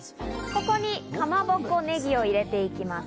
ここに、かまぼこ、ネギを入れていきます。